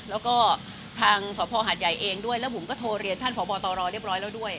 แล้วก็ทางสภหาดใหญ่เองด้วยแล้วผมก็โทรเรียนท่านพบตรเรียบร้อยแล้วด้วย